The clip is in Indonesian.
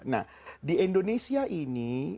nah di indonesia ini